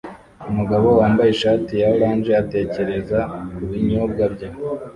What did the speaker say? Umugabo wambaye ishati ya orange atekereza kubinyobwa bye